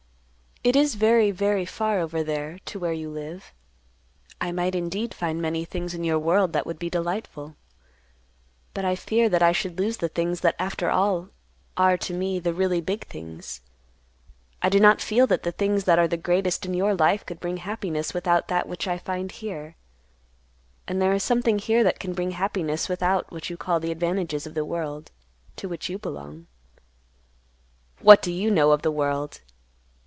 "It is very, very far over there to where you live. I might, indeed, find many things in your world that would be delightful; but I fear that I should lose the things that after all are, to me, the really big things. I do not feel that the things that are greatest in your life could bring happiness without that which I find here. And there is something here that can bring happiness without what you call the advantages of the world to which you belong." "What do you know of the world?"